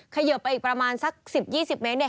เขยิบไปอีกประมาณสัก๑๐๒๐เมตร